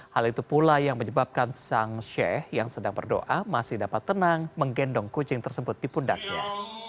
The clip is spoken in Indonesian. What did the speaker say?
hal itu pula yang menyebabkan sang sheikh yang sedang berdoa masih dapat tenang menggendong kucing tersebut di pundaknya